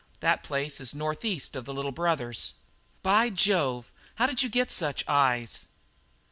That place is north east of the Little Brothers." "By Jove! how did you get such eyes?"